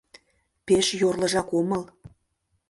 Пеш йорлыжак омыл.